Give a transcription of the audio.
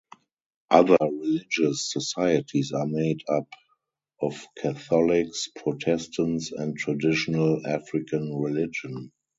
Other religious societies are made up of Catholics, Protestants, and Traditional African religion.